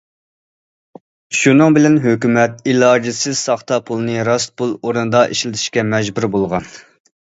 شۇنىڭ بىلەن ھۆكۈمەت ئىلاجىسىز ساختا پۇلنى راست پۇل ئورنىدا ئىشلىتىشكە مەجبۇر بولغان.